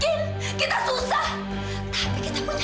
tapi kita punya harga diri ya amira